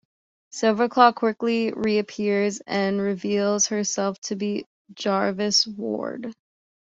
Silverclaw quickly reappears and reveals herself to be Jarvis' ward.